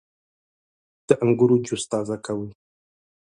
• د انګورو جوس تازه کوي.